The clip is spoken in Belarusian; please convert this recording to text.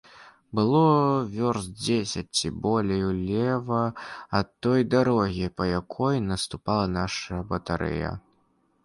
Было вёрст дзесяць ці болей улева ад той дарогі, па якой наступала наша батарэя.